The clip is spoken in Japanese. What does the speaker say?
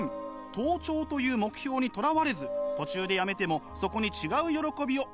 登頂という目標にとらわれず途中でやめてもそこに違う喜びを得る。